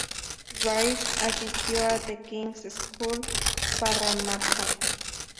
Baird asistió a The King's School, Parramatta.